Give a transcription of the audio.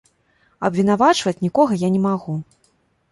Абвінавачваць нікога я не магу.